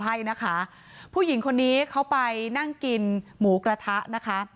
ให้นะคะผู้หญิงคนนี้เขาไปนั่งกินหมูกระทะนะคะ